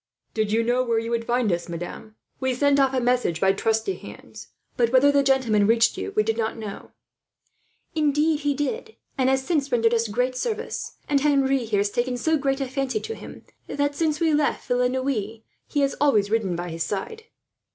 "Did you know where you would find us, madame? We sent off a message by trusty hands, but whether the gentleman reached you we know not." "Indeed he did, and has since rendered us good service; and Henri here has taken so great a fancy to him that, since we left Villeneuve, he has always ridden by his side."